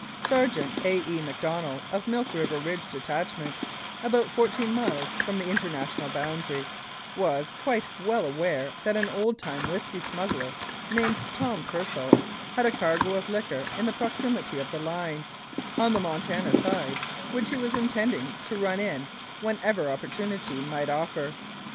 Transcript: Sergeant A. E. Macdonell, of Milk River Ridge detachment, about fourteen miles from the international boundary, was quite well aware that an old time whisky smuggler, named Tom Percel, had a cargo of liquor in the proximity of the line, on the Montana side, which he was intending to run in whenever opportunity might offer.